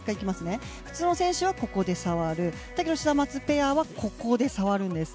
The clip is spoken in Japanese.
普通の選手はここで触るけどシダマツペアはもっと前で触るんです。